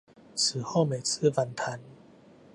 此後每次反彈